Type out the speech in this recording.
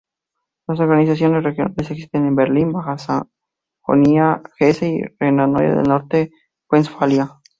Las organizaciones regionales existen en Berlín, Baja Sajonia, Hesse y Renania del Norte-Westfalia.